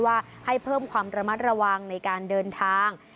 ว่าให้เพิ่มความระมัดระวังในการเดินทาง